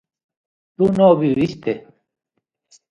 tú no viviste